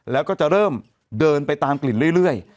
แล้วก็จะเริ่มเดินไปตามกลิ่นเรื่อย